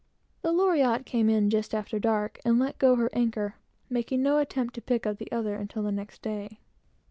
The Loriotte came in just after dark, and let go her anchor, making no attempt to pick up the other until the next day.